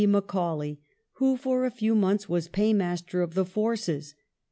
Macaulay who for a few months was Paymaster of the Forces.